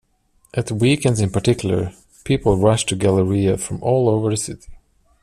At weekends in particular, people rushed to Galleria from all over the city.